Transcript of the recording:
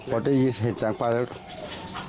พอได้เห็นแสงไปแล้ว